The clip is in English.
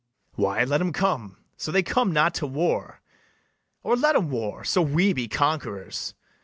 BARABAS. Why, let 'em come, so they come not to war; Or let 'em war, so we be conquerors.